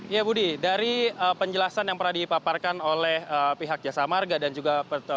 ya budi dari penjelasan yang pernah dipaparkan oleh pihak jasa marga dan juga